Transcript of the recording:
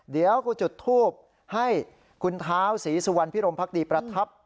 เดี๋ยวกูจุดทูบให้คุณเท้าศรีสุวรรณพิรมพักดีประทับ